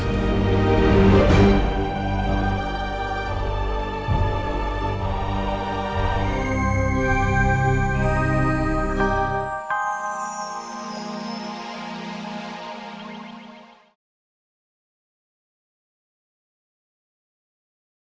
tikutanmu sudah telah diperoleh saya